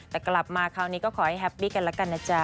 แต่กลับมาคราวนี้ก็ขอให้แฮปปี้กันแล้วกันนะจ๊ะ